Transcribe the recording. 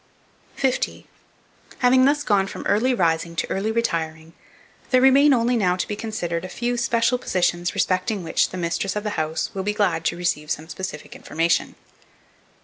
50. HAVING THUS GONE FROM EARLY RISING TO EARLY RETIRING, there remain only now to be considered a few special positions respecting which the mistress of the house will be glad to receive some specific information.